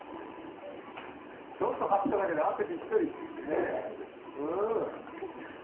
ちょっと走っただけで汗びっしょり。